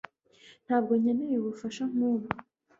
ntabwo nkeneye ubufasha nkubwo